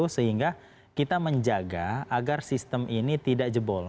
sehingga kita menjaga agar sistem ini tidak jebol